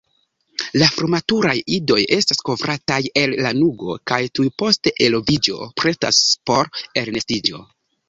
La frumaturaj idoj estas kovrataj el lanugo kaj tuj post eloviĝo pretas por elnestiĝo.